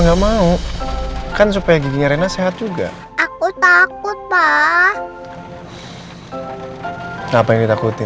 ini mau pesen locek deh buat ke rumah sakit